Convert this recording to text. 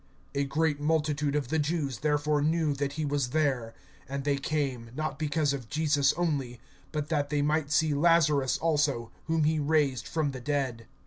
(9)A great multitude of the Jews therefore knew that he was there. And they came, not because of Jesus only, but that they might see Lazarus also, whom he raised from the dead.